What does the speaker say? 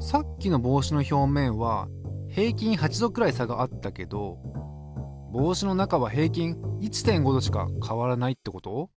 さっきの帽子の表面は平均８℃くらい差があったけど帽子の中は平均１．５℃しか変わらないってこと？